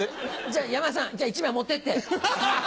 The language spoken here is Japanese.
じゃあ山田さん１枚持ってって。